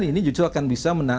ini justru akan bisa